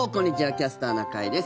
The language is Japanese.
「キャスターな会」です。